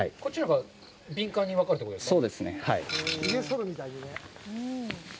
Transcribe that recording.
こっちのほうが敏感に分かるということですか。